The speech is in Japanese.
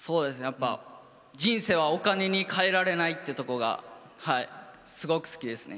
人生はお金に変えられないってところがすごく好きですね。